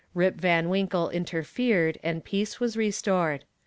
"Rip" Van Winkle interfered and peace was restored.